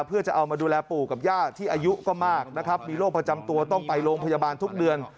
เพื่อจะเอามาดูแลปู่กับย่าที่อายุก็มากนะครับมีโรคประจำตัวต้องไปโรงพยาบาลทุกเดือน